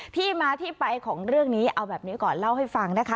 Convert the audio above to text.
ที่มาที่ไปของเรื่องนี้เอาแบบนี้ก่อนเล่าให้ฟังนะคะ